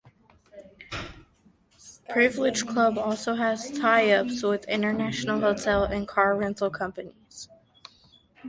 Privilege Club also has tie-ups with international hotel and car rental companies.